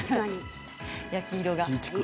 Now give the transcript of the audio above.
焼き色が。